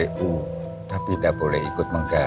kepala i n teraz boleh ikut melray